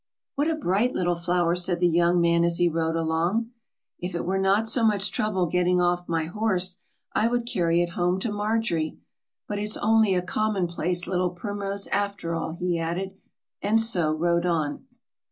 "What a bright little flower!" said the young man, as he rode along. "If it were not so much trouble getting off my horse, I would carry it home to Marjorie. But it's only a commonplace little primrose after all," he added, and so rode on.